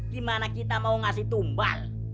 di mana kita mau ngasih tumbal